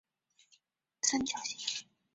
在两者间加入三角形和正五边形。